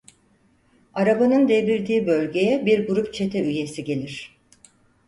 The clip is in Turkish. Arabanın devrildiği bölgeye bir grup çete üyesi gelir.